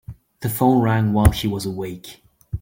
The phone rang while she was awake.